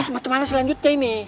macem mana selanjutnya ini